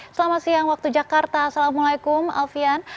selamat siang waktu jakarta assalamualaikum alfian